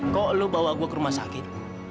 kok lo bawa gue ke rumah sakit